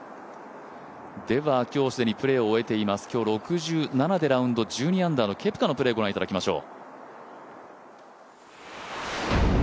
では今日既にプレーを終えています、今日６７でラウンド１２アンダーのケプカのプレー、ご覧いただきましょう。